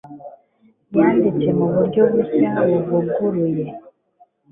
yanditse mu buryo bushya buvuguruye